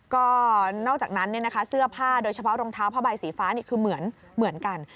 ก็นอกจากนั้นเสื้อผ้าโดยเฉพาะรองเท้าผ้าใบสีฟ้านี่คือเหมือนกัน